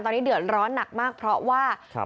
ตอนนี้เดือดร้อนหนักมากเพราะว่า